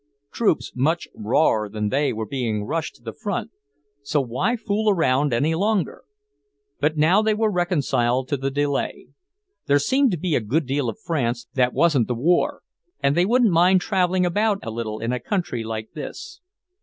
Troops much rawer than they were being rushed to the front, so why fool around any longer? But now they were reconciled to the delay. There seemed to be a good deal of France that wasn't the war, and they wouldn't mind travelling about a little in a country like this.